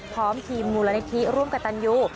พร้อมทีมมูลนิธิร่วมกับตันยู